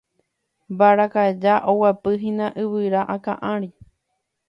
Mbarakaja oguapyhína yvyra akã ári.